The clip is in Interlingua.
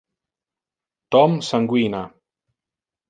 Tom sanguina.